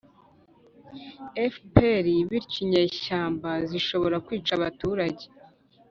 fpr. bityo inyeshyamba zishobora kwica abaturage